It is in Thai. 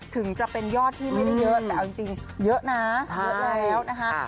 ถึงจะเป็นยอดที่ไม่ได้เยอะแต่เอาจริงเยอะนะเยอะแล้วนะคะ